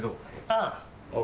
ああ。